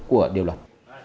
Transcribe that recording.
của điều luật